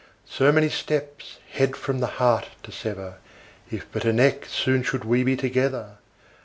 So many steps, head from the heart to sever, If but a neck, soon should we be together.